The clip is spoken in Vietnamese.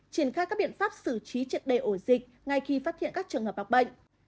triển khai các biện pháp xử trí triệt đề ổ dịch ngay khi phát hiện các trường hợp mắc bệnh